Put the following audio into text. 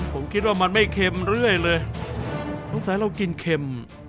ผมคิดว่ามันไม่เค็มเรื่อยเลยสงสัยเรากินเค็ม